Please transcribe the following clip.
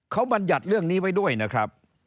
เขาบรรยัติเรื่องนี้ไว้ด้วยนะครับ